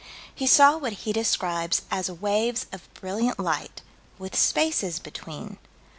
He saw what he describes as waves of brilliant light, with spaces between.